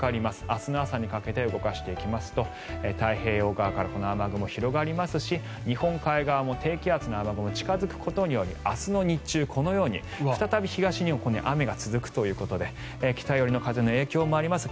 明日の朝にかけて動かしていきますと太平洋側から雨雲が広がりますし日本海側も低気圧の雨雲近付くことにより明日の日中、このように再び東日本このように雨が続くということで北寄りの風の影響もあります